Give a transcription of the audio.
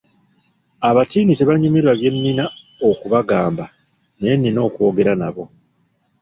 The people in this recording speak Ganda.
Abatiini tebanyumirwa bye nnina okubagamba naye nnina okwogera nabo.